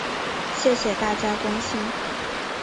谢谢大家关心